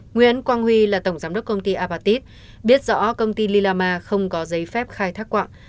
nguyễn quang huy là tổng giám đốc công ty apatit biết rõ công ty lilama không có giấy phép khai thác quạng